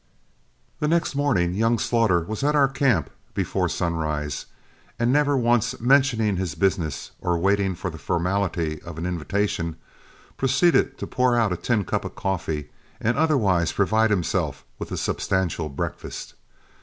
The next morning young Slaughter was at our camp before sunrise, and never once mentioning his business or waiting for the formality of an invitation, proceeded to pour out a tin cup of coffee and otherwise provide himself with a substantial breakfast.